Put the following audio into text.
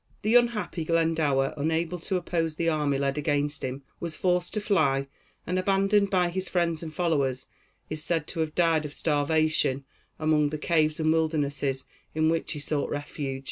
The unhappy Glendower, unable to oppose the army led against him, was forced to fly, and, abandoned by his friends and followers, is said to have died of starvation among the caves and wildernesses in which he sought refuge.